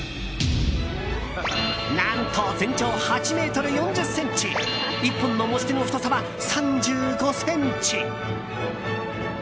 何と全長８ｍ４０ｃｍ１本の持ち手の太さは３５ｃｍ。